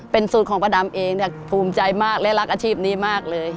เป็นสูตรของป้าดำเองเนี่ยภูมิใจมากและรักอาชีพนี้มากเลย